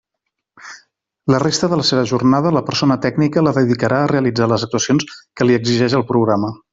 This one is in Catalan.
La resta de la seva jornada, la persona tècnica la dedicarà a realitzar les actuacions que li exigeix el programa.